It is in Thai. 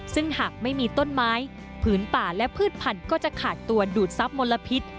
ซึ่งหากไม่มีต้นไม้ผืนป่าและพืชพันธุ์ก็จะขาดตัวดูดทรัพย์มลพิษ